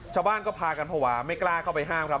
ชาวบ้านก็พากันภาวะไม่กล้าเข้าไปห้ามครับ